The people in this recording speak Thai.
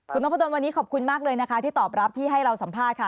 คุณนพดนวันนี้ขอบคุณมากเลยนะคะที่ตอบรับที่ให้เราสัมภาษณ์ค่ะ